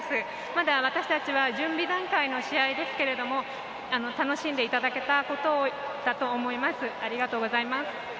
まだ私たちは準備段階の試合ですけれども、楽しんでいただけたことだと思います、ありがとうございます。